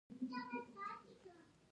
د میوو د درجه بندۍ ماشین شته؟